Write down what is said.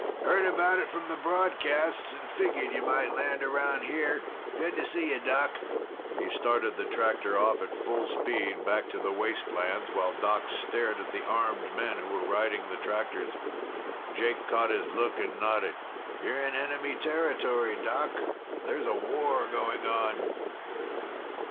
"Heard about it from the broadcasts and figured you might land around here. Good to see you, Doc." He started the tractor off at full speed, back to the wastelands, while Doc stared at the armed men who were riding the tractors. Jake caught his look and nodded. "You're in enemy territory, Doc. There's a war going on!"